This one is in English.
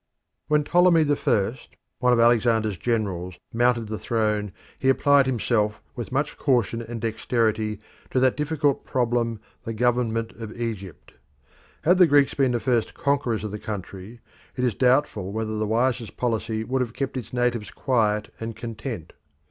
When Ptolemy the First, one of Alexander's generals, mounted the throne he applied himself with much caution and dexterity to that difficult problem the government of Egypt. Had the Greeks been the first conquerors of the country, it is doubtful whether the wisest policy would have kept its natives quiet and content.